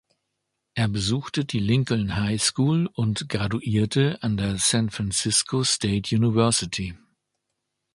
Er besuchte die Lincoln High School und graduierte an der San Francisco State University.